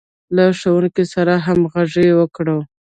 له ښوونکي سره همغږي وکړه.